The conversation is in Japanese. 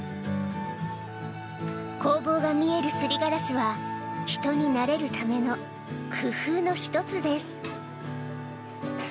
工房が見えるすりガラスは、人になれるための工夫の一つです。